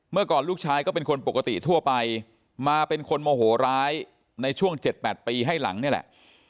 เมื่อก่อนลูกชายก็เป็นคนปกติทั่วไปมาเป็นคนโมโหร้ายในช่วง๗๘ปีให้หลังนี่แหละ